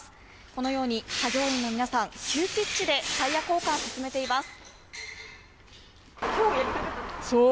このように作業員の皆さん急ピッチでタイヤ交換を進めています。